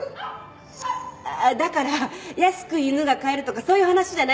ああだから安く犬が買えるとかそういう話じゃないんですよ。